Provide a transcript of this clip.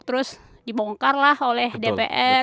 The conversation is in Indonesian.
terus dibongkar lah oleh dpr